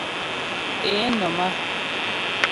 Ě nɔ̀m á.